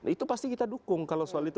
itu pasti kita dukung kalau soal itu